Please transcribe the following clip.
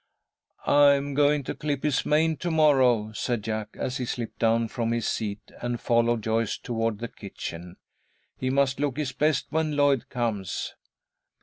"I'm going to clip his mane to morrow," said Jack, as he slipped down from his seat, and followed Joyce toward the kitchen. "He must look his best when Lloyd comes."